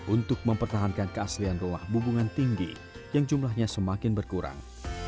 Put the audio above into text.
untuk mempertahankan keaslian rumah bumbungan tinggi yang jumlahnya semakin berkurang